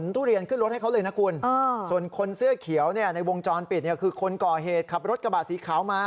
ที่จะมาทำทีเป็นลูกค้านะ